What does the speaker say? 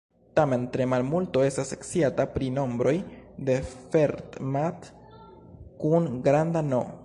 Tamen, tre malmulto estas sciata pri nombroj de Fermat kun granda "n".